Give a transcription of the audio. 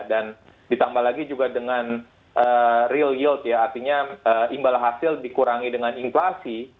dan ditambah lagi juga dengan real yield ya artinya imbal hasil dikurangi dengan inklasi